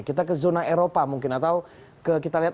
kita ke zona eropa mungkin atau kita lihat